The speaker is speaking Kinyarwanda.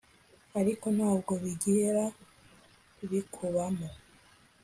ariko ntabwo bizigera bikubamo